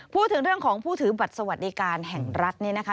พูดถึงเรื่องของผู้ถือบัตรสวัสดิการแห่งรัฐเนี่ยนะคะ